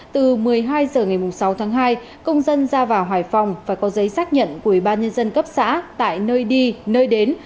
trong ngày sáu tháng hai công dân ra vào hải phòng phải có giấy xác nhận của ubnd cấp xã tại nơi đi nơi đến